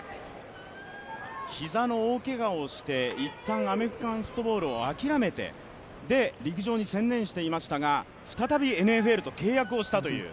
膝の大けがをして、一旦アメリカンフットボールを諦めて陸上に専念していましたが、再びＮＦＬと契約したという。